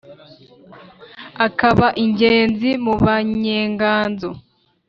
akaba ingenzi mu banyenganzo.